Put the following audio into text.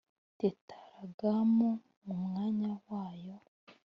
Tetaragaramu mu mwanya wayo